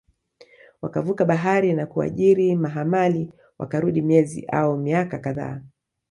wakavuka bahari na kuajiri mahamali Wakarudi miezi au miaka kadhaa